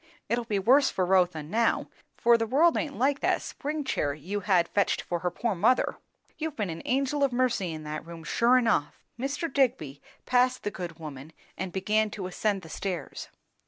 It'll be worse for Rotha now, for the world aint like that spring chair you had fetched for her poor mother. You've been an angel of mercy in that room, sure enough." Mr. Digby passed the good woman and began to ascend the stairs.